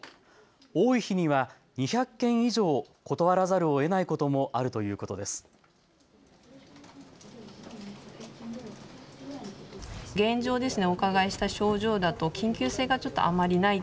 多い日には２００件以上断らざるをえないこともあるということです。